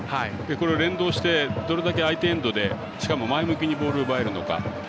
連動して、どれだけ相手エンドで前向きにボールを奪えるのか。